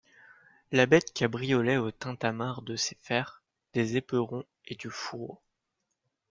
La bête cabriolait au tintamarre de ses fers, des éperons et du fourreau.